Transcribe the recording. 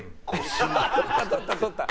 取った取った取った！